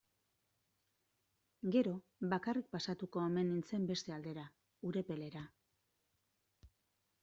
Gero, bakarrik pasatuko omen nintzen beste aldera, Urepelera.